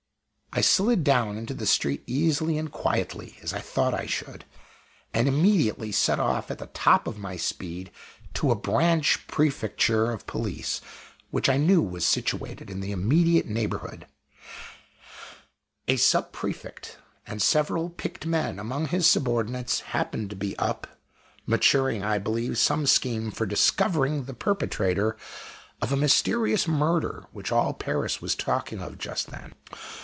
I slid down into the street easily and quietly, as I thought I should, and immediately set off at the top of my speed to a branch "Prefecture" of Police, which I knew was situated in the immediate neighborhood. A "Sub prefect," and several picked men among his subordinates, happened to be up, maturing, I believe, some scheme for discovering the perpetrator of a mysterious murder which all Paris was talking of just then.